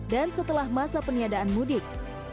dan setelah masa peniadaan mudik